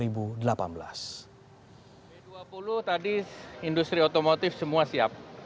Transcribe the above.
b dua puluh tadi industri otomotif semua siap